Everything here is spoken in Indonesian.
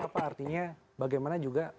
apa artinya bagaimana juga